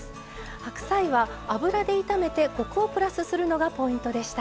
白菜は油で炒めてコクをプラスするのがポイントでした。